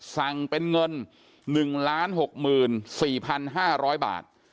สั่งเป็นเงิน๑๖๔๕๐๐บาท